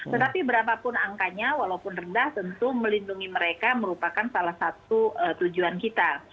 tetapi berapapun angkanya walaupun rendah tentu melindungi mereka merupakan salah satu tujuan kita